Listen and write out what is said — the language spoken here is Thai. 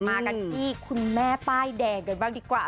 มากันที่คุณแม่ป้ายแดงกันบ้างดีกว่า